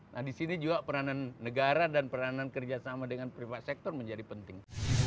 nah di sini juga peranan negara dan peranan kerjasama dengan private sector menjadi penting